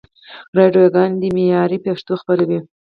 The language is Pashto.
راډیوګاني دي معیاري پښتو خپروي.